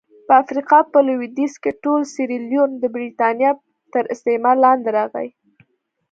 په افریقا په لوېدیځ کې ټول سیریلیون د برېټانیا تر استعمار لاندې راغی.